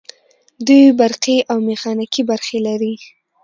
دوی برقي او میخانیکي برخې لري.